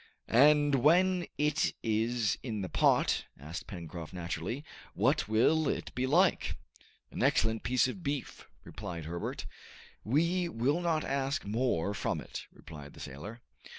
"And when it is in the pot," asked Pencroft naturally, "what will it be like?" "An excellent piece of beef," replied Herbert. "We will not ask more from it," replied the sailor.